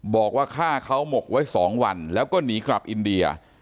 บอกว่าฆ่าเขาหมกไว้๒วันแล้วก็หนีกลับอินเดีย